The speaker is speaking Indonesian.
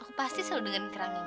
aku pasti selalu dengerin kerang ini